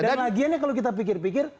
dan lagiannya kalau kita pikir pikir